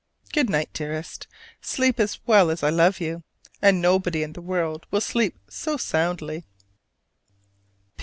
Good night, dearest! Sleep as well as I love you, and nobody in the world will sleep so soundly.